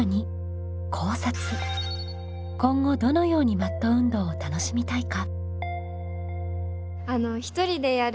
今後どのようにマット運動を楽しみたいか？